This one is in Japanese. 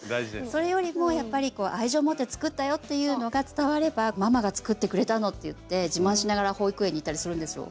それよりもやっぱり愛情持って作ったよっていうのが伝われば「ママが作ってくれたの」って言って自慢しながら保育園に行ったりするんですよ。